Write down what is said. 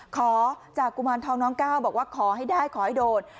ขอจากกุมารทองน้องก้าวบอกว่าขอให้ได้ขอให้โดด